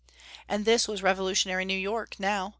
And this was revolutionary New York, now.